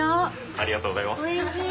ありがとうございます。